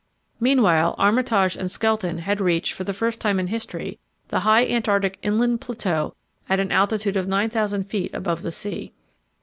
Meanwhile Armitage and Skelton had reached, for the first time in history, the high Antarctic inland plateau at an altitude of 9,000 feet above the sea.